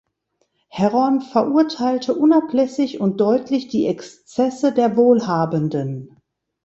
Herron verurteilte unablässig und deutlich die Exzesse der Wohlhabenden.